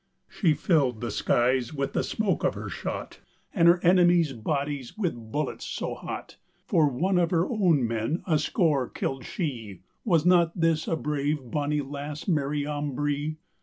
She filled the skyes with the smoke of her shott, And her enemyes bodyes with bulletts so hott; For one of her own men a score killed shee: Was not this a brave bonny lasse, Mary Ambree?